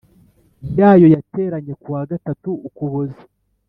yayo yateranye ku wa gatatu Ukuboza